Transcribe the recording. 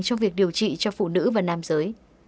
trong việc điều trị cho phụ nữ và nam giới